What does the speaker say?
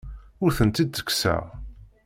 Ur tent-id-ttekkseɣ.